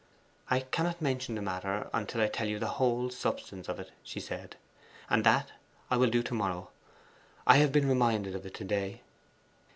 'I cannot mention the matter until I tell you the whole substance of it,' she said. 'And that I will do to morrow. I have been reminded of it to day.